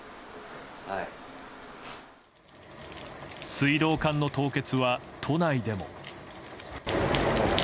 水道管の凍結は都内でも。